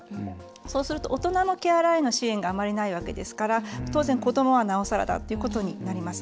そうすると大人のケアラーへの支援があまりないわけですから当然、子どもはなおさらだということになります。